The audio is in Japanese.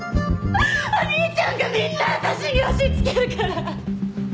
お兄ちゃんがみんな私に押しつけるから！